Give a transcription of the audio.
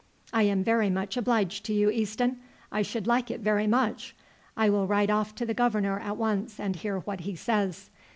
"I am very much obliged to you, Easton; I should like it very much. I will write off to the governor at once and hear what he says.